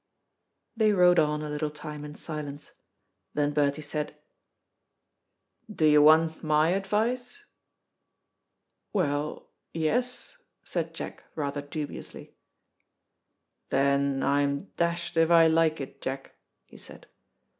They rode on a little time in silence. Then Bertie said, "Do you want my advice?" "Well, yes," said Jack rather dubiously. "Then I'm dashed if I like it, Jack," he said.